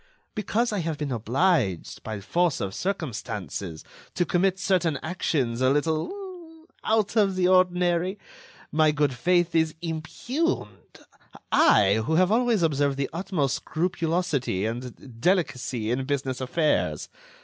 Because I have been obliged, by force of circumstances, to commit certain actions a little ... out of the ordinary, my good faith is impugned ... I, who have always observed the utmost scrupulosity and delicacy in business affairs.